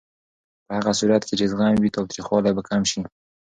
په هغه صورت کې چې زغم وي، تاوتریخوالی به کم شي.